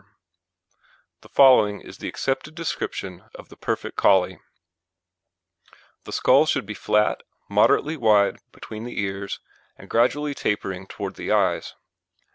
Reid, Wishaw] The following is the accepted description of the Perfect Collie: THE SKULL should be flat, moderately wide between the ears, and gradually tapering towards the eyes.